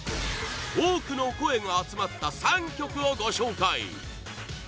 多くの声が集まった３曲をご紹介